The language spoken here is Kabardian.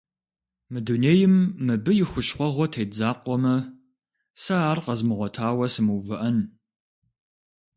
Мы дунейм мыбы и хущхъуэгъуэ тет закъуэмэ, сэ ар къэзмыгъуэтауэ сымыувыӏэн.